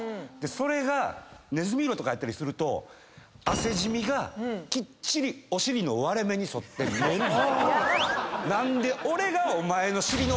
それがねずみ色とかやったりすると汗染みがきっちりお尻の割れ目に沿って見えるんですよ。